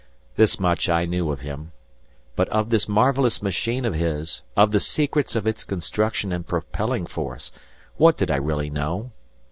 This much I knew of him; but of this marvelous machine of his, of the secrets of its construction and propelling force, what did I really know?